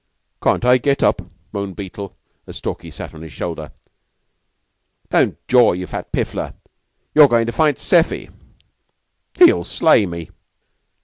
"Can't I get up?" moaned Beetle, as Stalky sat on his shoulder. "Don't jaw, you fat piffler. You're going to fight Seffy." "He'll slay me!"